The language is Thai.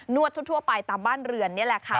วดทั่วไปตามบ้านเรือนนี่แหละค่ะ